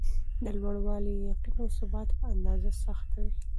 د لوړوالي ،یقین او ثبات په اندازه سخته وي.